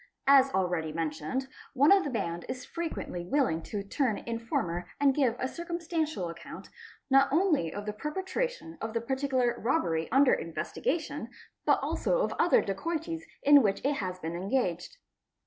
As already mentioned, one of the band is frequently willing to turn informer and give a circumstantial account, not only of the perpetration of the particular robbery under investigation, but also of other dacoities in which it has been engaged.